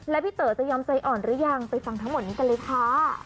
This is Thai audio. และพี่เต๋อจะยอมใจอ่อนหรือยังไปฟังทั้งหมดนี้กันเลยค่ะ